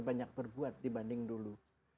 banyak berbuat dibanding dulu